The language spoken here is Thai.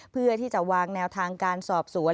เพื่อที่จะวางแนวทางการสอบสวน